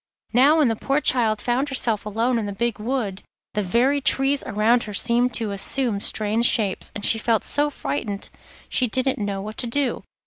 Now when the poor child found herself alone in the big wood the very trees around her seemed to assume strange shapes, and she felt so frightened she didn't know what to do.